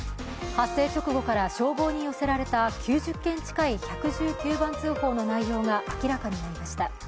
発生直後から消防に寄せられた９０件近い１１９番通報の内容が明らかになりました。